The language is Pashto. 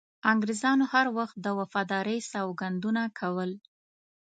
انګریزانو هر وخت د وفادارۍ سوګندونه کول.